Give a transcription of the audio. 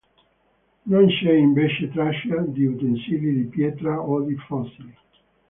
Non c'è invece traccia di utensili di pietra o di fossili.